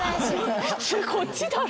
普通こっちだろ。